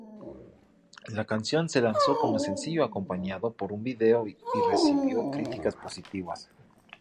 La canción se lanzó como sencillo acompañado por un vídeo y recibió críticas positivas.